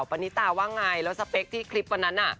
ปณิตาว่าไงแล้วสเปคที่คลิปวันนั้นน่ะ